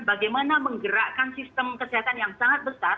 bagaimana menggerakkan sistem kesehatan yang sangat besar